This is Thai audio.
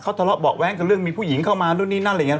ทะเลาะเบาะแว้งกับเรื่องมีผู้หญิงเข้ามานู่นนี่นั่นอะไรอย่างนี้